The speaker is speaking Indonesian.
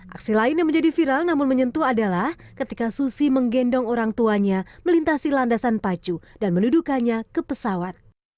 aksi lain yang menjadi viral namun menyentuh adalah ketika susi menggendong orang tuanya melintasi landasan pacu dan menuduhkannya ke pesawat